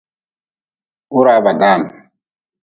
Wuraa baa daan.